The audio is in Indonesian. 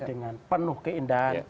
dengan penuh keindahan